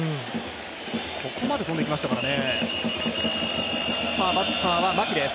ここまで飛んできましたからね。